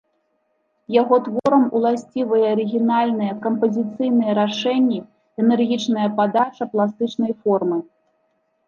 Яго творам уласцівыя арыгінальныя кампазіцыйныя рашэнні, энергічная падача пластычнай формы.